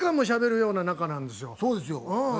そうなんですよ。